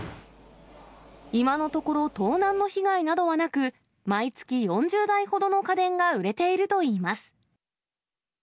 今のところ、盗難の被害などはなく、毎月４０台ほどの家電が売れているといいます。